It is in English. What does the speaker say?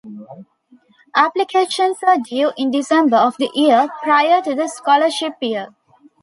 Applications are due in December of the year prior to the scholarship year.